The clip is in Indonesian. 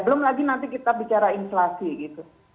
belum lagi nanti kita bicara inflasi gitu